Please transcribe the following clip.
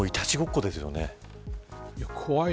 いたちごっこですよね。